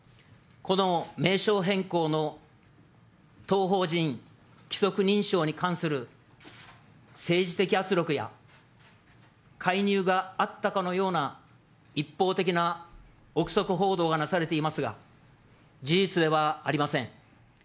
この名称変更の当法人規則認証に関する政治的圧力や、介入があったかのような一方的な臆測報道がなされていますが、事実ではありません。